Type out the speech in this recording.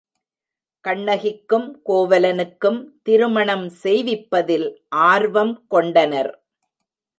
கண்ணகிக்கும் கோவலனுக்கும் திருமணம் செய்விப்பதில் ஆர்வம் கொண்டனர்.